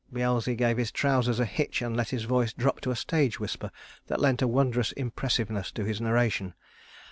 Beelzy gave his trousers a hitch and let his voice drop to a stage whisper that lent a wondrous impressiveness to his narration.